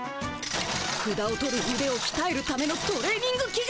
ふだを取るうでをきたえるためのトレーニングき具。